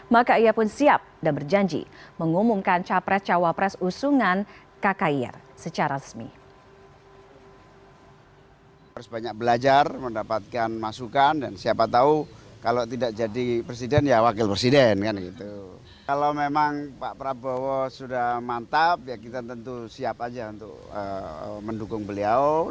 maka ia pun siap dan berjanji mengumumkan capres cawapres usungan kakaiar secara resmi